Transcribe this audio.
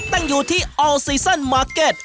ตั้งอยู่ที่อัลซีซั่นมาร์เก็ต